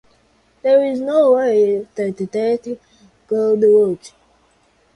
There's no way that that could work.